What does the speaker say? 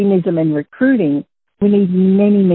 untuk saya itu yang hilang di australia